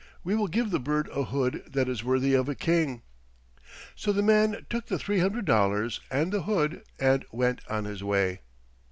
"We will give the bird a hood that is worthy of a king." So the man took the three hundred dollars and the hood and went on his way.